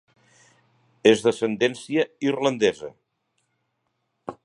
És d'ascendència irlandesa.